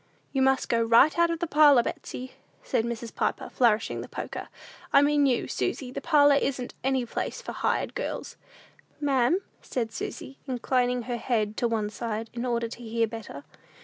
"You must go right out of the parlor, Betsey," said Mrs. Piper, flourishing the poker; "I mean you, Susy the parlor isn't any place for hired girls." "Ma'am?" said Susy, inclining her head to one side, in order to hear better.